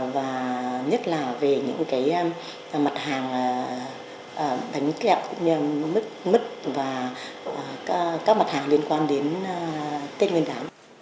và nhất là về những cái mặt hàng bánh kẹo cũng như mứt mứt và các mặt hàng liên quan đến tết nguyên đán